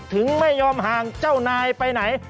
ถึงไม่ยอมห่างเจ้านายไปไหน